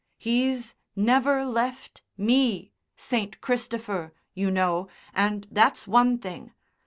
He's never left me, St. Christopher, you know, and that's one thing.